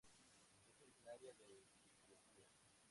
Es originaria de Etiopía.